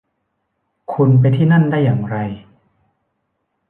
คุณไปที่นั่นได้อย่างไร